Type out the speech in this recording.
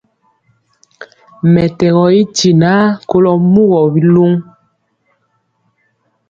Mɛtɛgɔ i tinaa kolɔ wa biluŋ.